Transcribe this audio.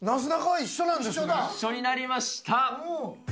一緒になりました。